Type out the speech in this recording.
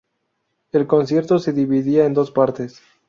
El concierto se dividía en dos partes.